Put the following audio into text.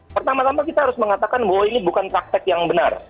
pertama tama kita harus mengatakan bahwa ini bukan praktek yang benar